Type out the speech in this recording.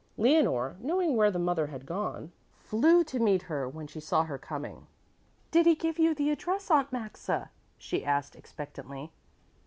Leonore, knowing where the mother had gone, flew to meet her when she saw her coming. "Did he give you the address, Aunt Maxa," she asked expectantly.